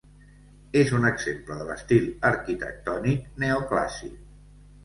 És un exemple de l'estil arquitectònic neoclàssic.